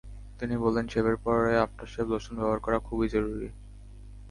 তিনি বললেন, শেভের পরে আফটার শেভ লোশন ব্যবহার করা খুবই জরুরি।